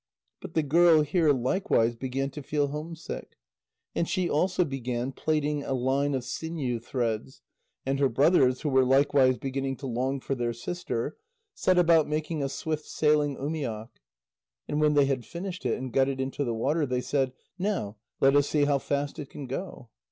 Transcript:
But the girl here likewise began to feel homesick, and she also began plaiting a line of sinew threads, and her brothers, who were likewise beginning to long for their sister, set about making a swift sailing umiak. And when they had finished it, and got it into the water, they said: "Now let us see how fast it can go."